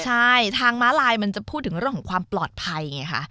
ใช่ทางม้าลายมันจะพูดถึงเรื่องของความปลอดภัยไงคะ